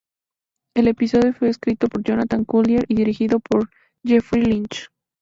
El episodio fue escrito por Jonathan Collier y dirigido por Jeffrey Lynch.